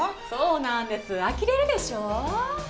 そうなんです、あきれるでしょ？